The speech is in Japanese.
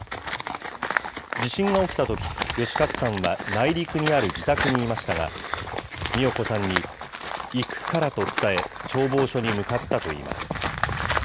地震が起きたとき、吉勝さんは内陸にある自宅にいましたが、美代子さんに行くからと伝え、消防署に向かったといいます。